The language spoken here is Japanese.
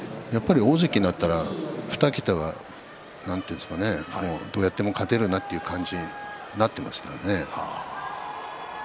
大関になったら２桁はどうやっても勝てるなという感じになっていましたね。